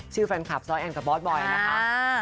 ชื่อแฟนคลับซอยแอนด์กับบอสบอยน์นะคะ